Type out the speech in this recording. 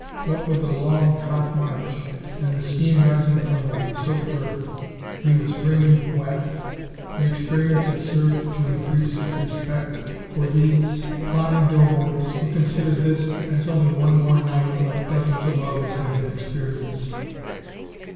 What with the long, hot march, and the steam arising from the soaked earth, he was wringing wet. The experience had served to increase his respect for these plodding doughboys who considered this as only one more night like dozens of others they had experienced.